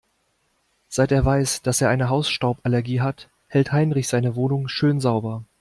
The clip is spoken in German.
Seit er weiß, dass er eine Hausstauballergie hat, hält Heinrich seine Wohnung schön sauber.